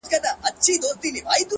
• دعا ، دعا ، دعا ،دعا كومه،